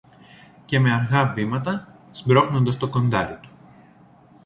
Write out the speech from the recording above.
Και με αργά βήματα, σπρώχνοντας το κοντάρι του